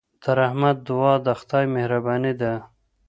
د رحمت دعا د خدای مهرباني ده.